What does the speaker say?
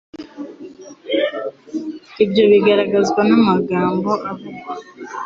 Ibyo bigaragazwa n'amagambo avugwa